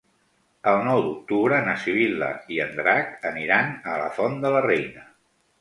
El nou d'octubre na Sibil·la i en Drac aniran a la Font de la Reina.